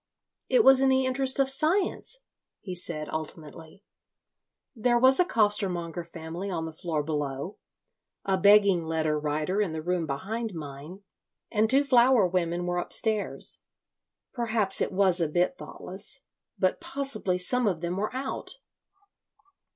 "It was in the interest of science," he said, ultimately. "There was a costermonger family on the floor below, a begging letter writer in the room behind mine, and two flower women were upstairs. Perhaps it was a bit thoughtless. But possibly some of them were out.